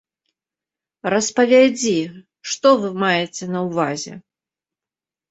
Распавядзі, што вы маеце на ўвазе?